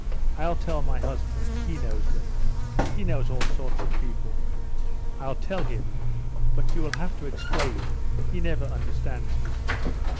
I'll tell my husband, he knows them. He knows all sorts of people. I'll tell him, but you will have to explain, he never understands me.